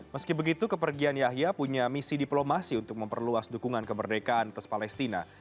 meski begitu kepergian yahya punya misi diplomasi untuk memperluas dukungan kemerdekaan atas palestina